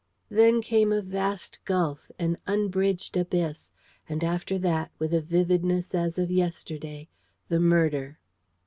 Then came a vast gulf, an unbridged abyss: and after that, with a vividness as of yesterday, the murder.